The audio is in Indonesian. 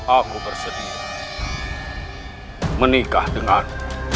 aku bersedia menikah dengan